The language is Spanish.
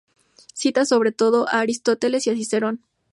Cita sobre todo a Aristóteles y a Cicerón.